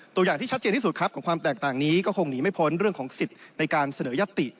ตัวอย่างที่ชัดเจนที่สุดครับของความแตกต่างนี้ก็คงหนีไม่พ้นเรื่องของสิทธิ์ในการเสนอยัตติ